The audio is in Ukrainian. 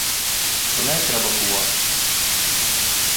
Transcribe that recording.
— Коней треба кувати.